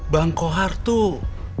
bang kohar tuh